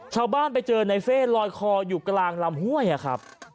ชาวบ้านไปเจอในเฟ่ลอยคออยู่กลางลำห้วยครับ